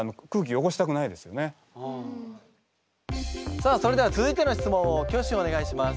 さあそれでは続いての質問を挙手お願いします。